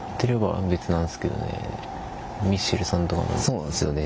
そうなんすよね。